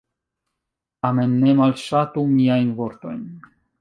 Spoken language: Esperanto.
Tamen, ne malŝatu miajn vortojn.